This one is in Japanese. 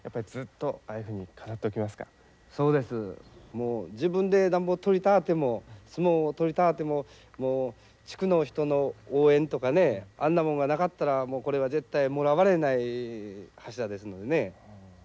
もう自分でなんぼ取りたあても相撲を取りたあてももう地区の人の応援とかねあんなもんがなかったらこれは絶対もらわれない柱ですのでね。